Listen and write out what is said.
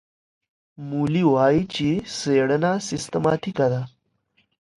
مولي وايي چي څېړنه سیستماتیکه ده.